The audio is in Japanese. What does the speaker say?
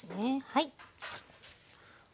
はい。